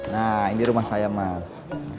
nah ini rumah saya mas